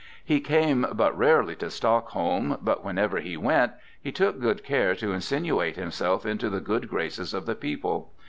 He came but rarely to Stockholm, but whenever he went, he took good care to insinuate himself into the good graces of the people.